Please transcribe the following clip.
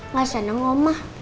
wah seneng omah